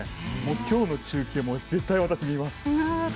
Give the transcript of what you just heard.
きょうの中継も絶対、私見ます。